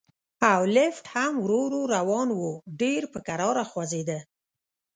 او لفټ هم ورو ورو روان و، ډېر په کراره خوځېده.